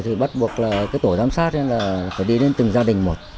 thì bắt buộc là cái tổ giám sát là phải đi đến từng gia đình một